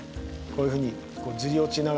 こういうふうにずり落ちながら。